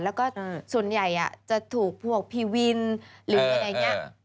แล้วก็ส่วนใหญ่จะถูกพวกพี่วินหรืออะไรอย่างนี้